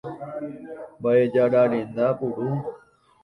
Mba'ejararenda puru.